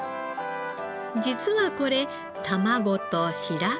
実はこれ卵と白子。